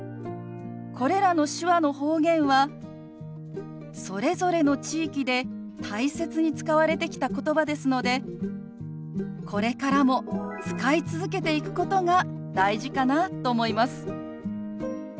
これらの手話の方言はそれぞれの地域で大切に使われてきた言葉ですのでこれからも使い続けていくことが大事かなと思います。